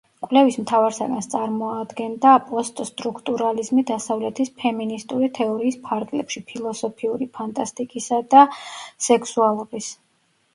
კვლევის მთავარ საგანს წარმოადგნდა პოსტსტრუქტურალიზმი დასავლეთის ფემინისტური თეორიის ფარგლებში, ფილოსოფიური ფანტასტიკისა და სექსუალობის.